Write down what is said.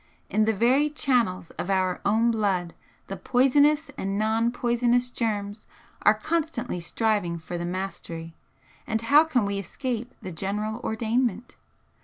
In the very channels of our own blood the poisonous and non poisonous germs are constantly striving for the mastery, and how can we escape the general ordainment?